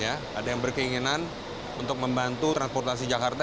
ada yang berkeinginan untuk membantu transportasi jakarta